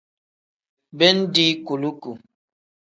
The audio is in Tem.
Bindi kuluku.